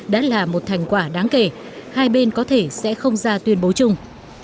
đã là một thành quả đáng kể hai bên có thể sẽ không ra tuyên bố chung